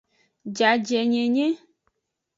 Jajenyenye.